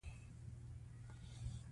دا زموږ د ژغورنې وروستی چانس دی.